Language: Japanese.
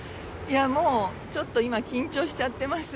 もうちょっと今、緊張しちゃってます。